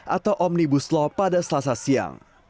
atau omnibus law pada selasa siang